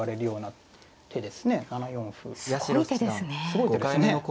すごい手ですね。